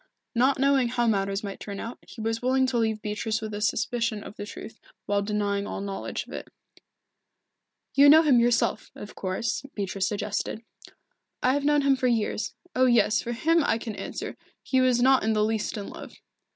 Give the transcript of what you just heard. Not knowing how matters might turn out, he was willing to leave Beatrice with a suspicion of the truth, while denying all knowledge of it. "You know him yourself, of course," Beatrice suggested. "I have known him for years oh, yes, for him, I can answer. He was not in the least in love."